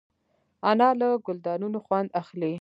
انا له ګلدانونو خوند اخلي